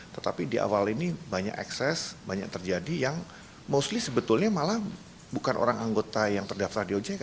tetapi di awal ini banyak ekses banyak terjadi yang mostly sebetulnya malah bukan orang anggota yang terdaftar di ojk